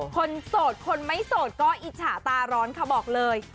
โสดคนไม่โสดก็อิจฉาตาร้อนค่ะบอกเลย